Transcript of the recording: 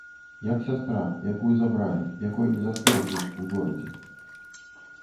Як сястра, якую забралі, якой не заспеў тут, у горадзе.